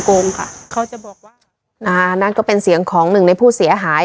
โกงค่ะเขาจะบอกว่าอ่านั่นก็เป็นเสียงของหนึ่งในผู้เสียหาย